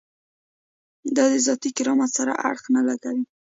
دا د ذاتي کرامت سره اړخ نه لګوي.